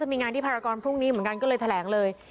มีงานที่ภาระกรณ์พรุ่งนี้เลยเลยแถลงเลย